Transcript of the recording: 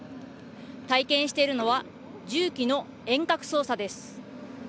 体験しているのは重機の遠隔操作です。